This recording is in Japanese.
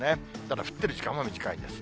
ただ降ってる時間は短いです。